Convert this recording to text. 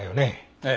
ええ。